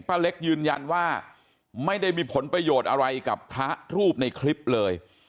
เล็กยืนยันว่าไม่ได้มีผลประโยชน์อะไรกับพระรูปในคลิปเลย